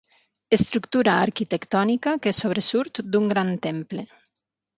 Estructura arquitectònica que sobresurt d'un gran temple.